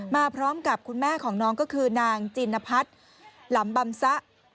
มาพร้อมกับคุณแม่ของน้องก็คือนางจินพัฒน์หลำบำซะ